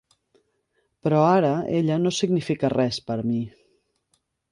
Però ara ella no significa res per a mi.